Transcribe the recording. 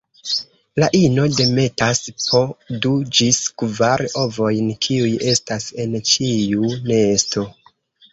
La ino demetas po du ĝis kvar ovojn kiuj estas en ĉiu nesto.